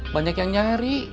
banyak yang nyari